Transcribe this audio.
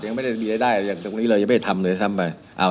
ยังไม่ได้มีรายได้เลยตรงหนี้เรายังไม่ได้ทำเลยทำไปเอา